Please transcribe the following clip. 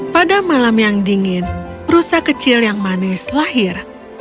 pada malam yang dingin rusa kecil yang manis lahir